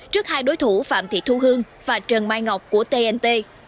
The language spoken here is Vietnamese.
trước hai đối thủ phạm thị thu hương và trần mai ngọc của tnt